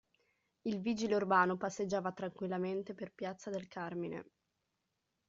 Il vigile urbano passeggiava tranquillamente per Piazza del Carmine.